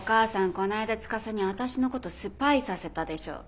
こないだ司に私のことスパイさせたでしょ？